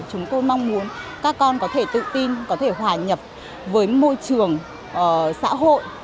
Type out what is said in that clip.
chúng tôi mong muốn các con có thể tự tin có thể hòa nhập với môi trường xã hội